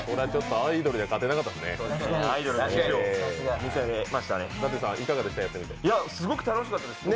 アイドルには勝てなかったですね。